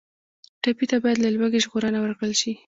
ټپي ته باید له لوږې ژغورنه ورکړل شي.